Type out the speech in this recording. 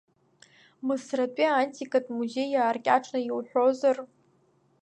Мысратәи антикатә музеи, иааркьаҿны иуҳәозар…